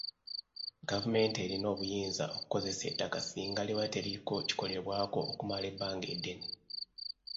Gavumenti erina obuyinza okukozesa ettaka singa liba teririiko kikolebwako okumala ebbanga eddene.